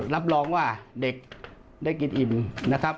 รับรองว่าเด็กได้กินอิ่มนะครับ